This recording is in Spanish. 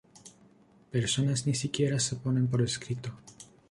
Personas ni siquiera se ponen por escrito.